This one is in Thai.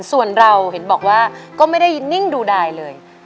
ส่วนเราเห็นบอกว่าก็ไม่ได้นิ่งดูดายเลย